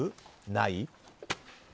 ない？